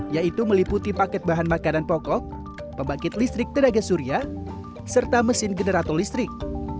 yaitu meliputi paket bahan makanan pokok pembangkit listrik tenaga surya serta mesin generator listrik